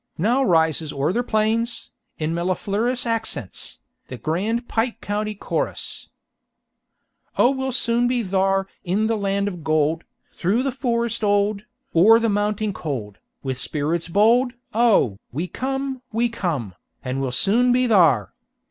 Now rises o'er the plains, in mellifluous accents, the grand Pike County Chorus: "Oh we'll soon be thar In the land of gold, Through the forest old, O'er the mounting cold, With spirits bold Oh, we come, we come, And we'll soon be thar.